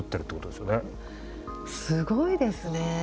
すごいですね。